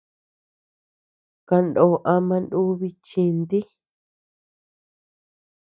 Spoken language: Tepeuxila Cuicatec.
Kanoo ama nubi chinti.